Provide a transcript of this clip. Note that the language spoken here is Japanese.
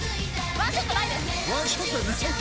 ワンショットないです。